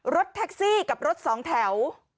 รถแท็กซี่กับรถสองแถว